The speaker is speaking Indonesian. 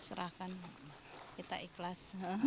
arahkan kita ikhlas